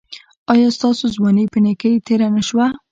ایا ستاسو ځواني په نیکۍ تیره نه شوه؟